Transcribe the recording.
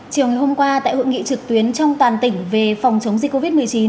chiều ngày hôm qua tại hội nghị trực tuyến trong toàn tỉnh về phòng chống dịch covid một mươi chín